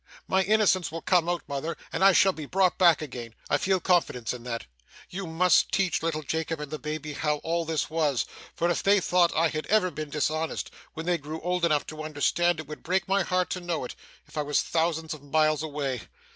My innocence will come out, mother, and I shall be brought back again; I feel confidence in that. You must teach little Jacob and the baby how all this was, for if they thought I had ever been dishonest, when they grew old enough to understand, it would break my heart to know it, if I was thousands of miles away.